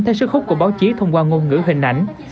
theo sức khúc của báo chí thông qua ngôn ngữ hình ảnh